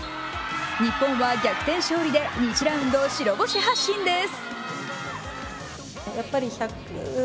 日本は逆転勝利で２次ラウンド白星発進です。